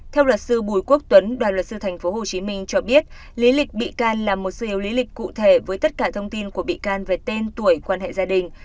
theo luật sư bùi quốc tuấn đoàn luật sư tp hcm cho biết lý lịch bị can là một suy yếu lý lịch cụ thể với tất cả thông tin của bị can về tên tuổi quan hệ gia đình